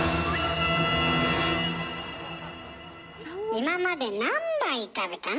今まで何杯食べたの？